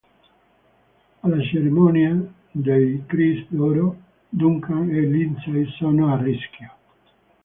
Alla cerimonia dei Chris d'oro Duncan e Lindsay sono a rischio.